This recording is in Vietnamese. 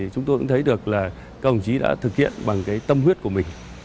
chúng tôi cũng thấy được là các đồng chí đã thực hiện bằng tâm huyết của mình